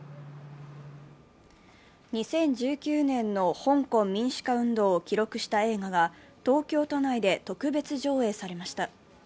２０１９年の香港民主化運動を記録した映画が東京都内で特別上映されました。